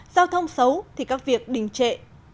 giao thông xấu thì các việc đình trệ